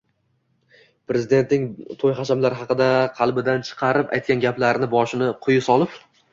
Prezidentning to‘y-hashamlar haqida qalbdan chiqarib aytgan gaplari boshini quyi solib